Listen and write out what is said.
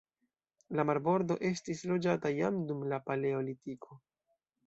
La marbordo estis loĝata jam dum la paleolitiko.